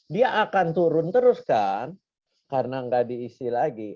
dia akan turun terus kan karena nggak diisi lagi